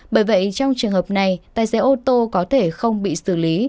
bởi vậy trong trường hợp này tài xế ô tô có thể không bị xử lý